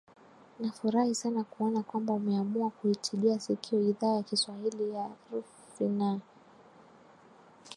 nafurahi sana kuona kwamba umeamua kuitegea sikio idhaa ya kiswahili ya rfi na